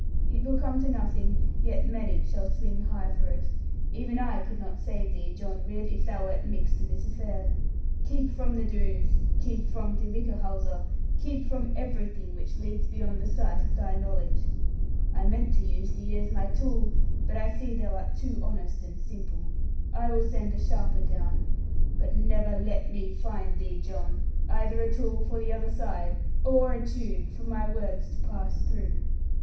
It will come to nothing; yet many shall swing high for it. Even I could not save thee, John Ridd, if thou wert mixed in this affair. Keep from the Doones, keep from De Whichehalse, keep from everything which leads beyond the sight of thy knowledge. I meant to use thee as my tool; but I see thou art too honest and simple. I will send a sharper down; but never let me find thee, John, either a tool for the other side, or a tube for my words to pass through.'